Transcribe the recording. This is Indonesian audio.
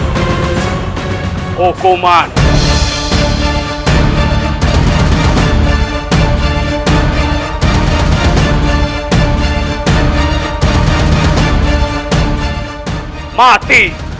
hukum tidak bisa dibuat main main